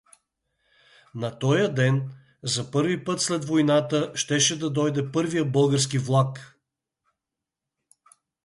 Но тоя ден, за първи път след войната, щеше да дойде първият български влак.